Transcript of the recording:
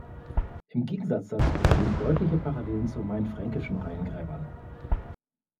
Im Gegensatz dazu bestehen deutliche Parallelen zu mainfränkischen Reihengräbern.